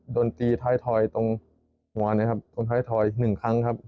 โดนตีท้ายทอยตรงมันนะครับตรงไทยทอยหนึ่งครั้งครับ